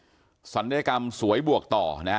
อันนี้มันต้องมีเครื่องชีพในกรณีที่มันเกิดเหตุวิกฤตจริงเนี่ย